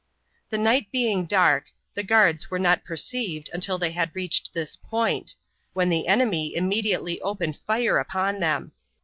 The night being dark, the guards were not perceived until they had reached this point, when the enemy immediately opened fire upon them.